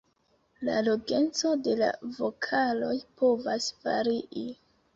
La longeco de la vokaloj povas varii.